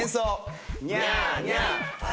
ニャーニャー。